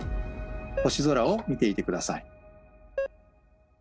星空を見ていて下さい。